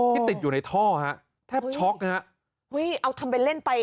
ติดอยู่ในท่อฮะแทบช็อกฮะอุ้ยเอาทำเป็นเล่นไป